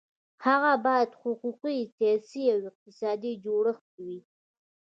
هغه باید حقوقي، سیاسي او اقتصادي جوړښت وي.